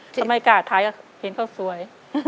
เขาไม่กากถ่ายก็เห็นเขาสวย